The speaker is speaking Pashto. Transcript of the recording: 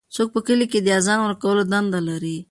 څوک په کلي کې د اذان ورکولو دنده لري؟